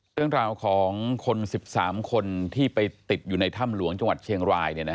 เรื่องราวของคน๑๓คนที่ไปติดอยู่ในถ้ำหลวงจังหวัดเชียงราย